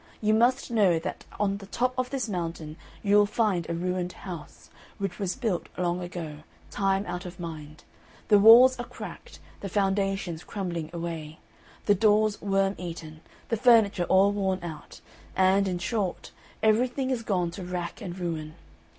You must know that on the top of this mountain you will find a ruined house, which was built long ago, time out of mind. The walls are cracked, the foundations crumbling away, the doors worm eaten, the furniture all worn out and, in short, everything is gone to wrack and ruin.